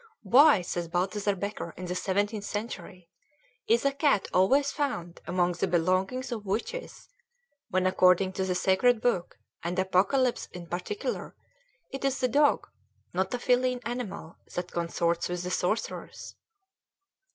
"Why," says Balthazar Bekker in the seventeenth century, "is a cat always found among the belongings of witches, when according to the Sacred Book, and Apocalypse in particular, it is the dog, not a feline animal, that consorts with the sorcerers?"